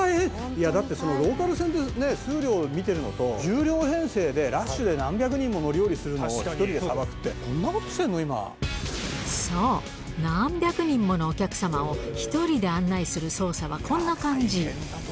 いやだって、ローカル線で数両見てるのと、１０両編成で、ラッシュで何百人乗り降りするのを１人でさばくって、こんなことしてるそう、何百人ものお客様を、１人で案内する操作はこんな感じ。